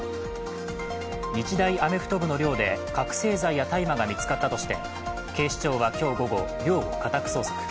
日大アメフト部の寮で覚醒剤や大麻が見つかったとして警視庁は今日午後、寮を家宅捜索。